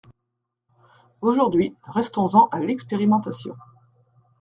Aujourd’hui, restons-en à l’expérimentation.